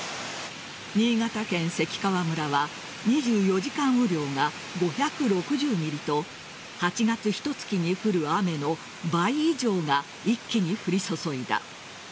新潟県関川村は２４時間雨量が５６０ｍｍと８月ひと月に降る雨の倍以上が一気に降り注いだ。